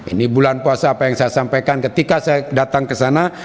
ini bulan puasa apa yang saya sampaikan ketika saya datang ke sana